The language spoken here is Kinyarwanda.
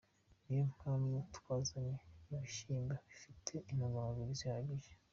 Niyo mpamvu twazanye ibishyimbo bifite intungamubiri zihagije.